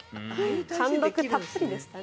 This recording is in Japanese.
貫禄たっぷりでしたね。